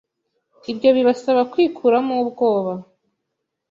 Ibyo bibasaba kwikuramo ubwoba,